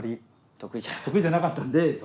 得意じゃなかったんで。